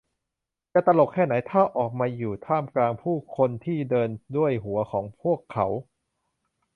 จะตลกแค่ไหน ถ้าออกมาอยู่ท่ามกลางผู้คนที่เดินด้วยหัวของพวกเขา